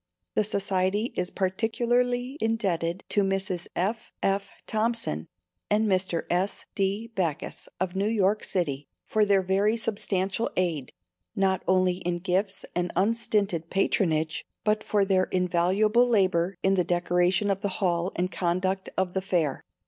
The Society is particularly indebted to Mr. F. F. Thompson and Mr. S. D. Backus of New York City, for their very substantial aid, not only in gifts and unstinted patronage, but for their invaluable labor in the decoration of the hall and conduct of the Fair.